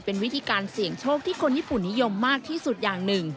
เป็นวิธีการเสี่ยงโชคที่คนญี่ปุ่นนิยมมากที่สุดอย่างหนึ่ง